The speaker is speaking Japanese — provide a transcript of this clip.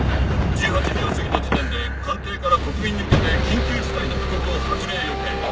１８時を過ぎた時点で官邸から国民に向けて緊急事態の布告を発令予定。